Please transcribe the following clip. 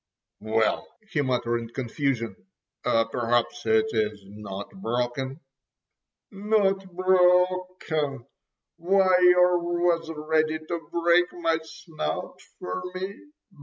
"Well," he muttered in confusion, "perhaps it is not broken." "Not broken! Why yer was ready to break my snout for me.